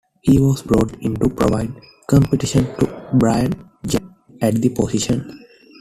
He was brought in to provide competition to Brian Jennings at the position.